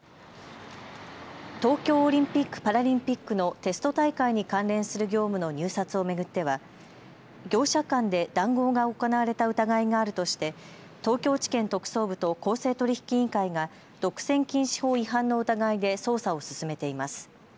東京オリンピック・パラリンピックのテスト大会に関連する業務の入札を巡っては業者間で談合が行われた疑いがあるとして東京地検特捜部と公正取引委員会が独占禁止法違反の疑いで捜査を進めています。